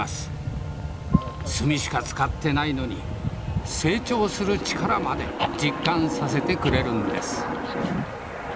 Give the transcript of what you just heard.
墨しか使ってないのに成長する力まで実感させてくれるんです。